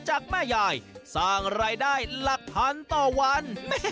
จากแม่หญ้าที่สร้างรายได้ละพันต่อวัน